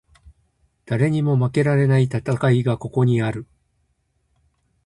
誰にも負けられない戦いがここにある